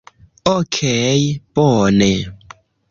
Okej' bone